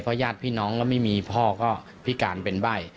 เพราะญาติพี่น้องแล้วไม่มีพ่อก็พิการเป็นใบ้